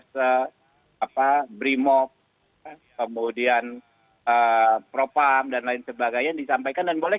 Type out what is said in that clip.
tak perlu pendapatan seperti free